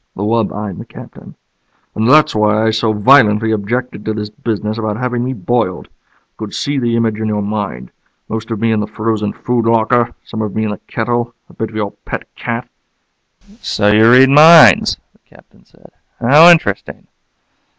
The wub eyed the Captain. "And that's why I so violently objected to this business about having me boiled. I could see the image in your mind most of me in the frozen food locker, some of me in the kettle, a bit for your pet cat " "So you read minds?" the Captain said. "How interesting.